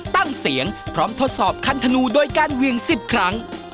เสียงพร้อมทดสอบคันธนูโดยการเวียง๑๐ครั้ง